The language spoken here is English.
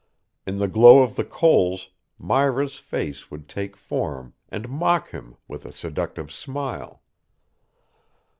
In the glow of the coals Myra's face would take form and mock him with a seductive smile.